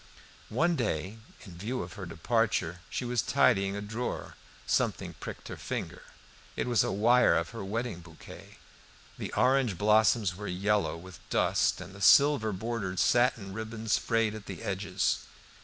One day when, in view of her departure, she was tidying a drawer, something pricked her finger. It was a wire of her wedding bouquet. The orange blossoms were yellow with dust and the silver bordered satin ribbons frayed at the edges.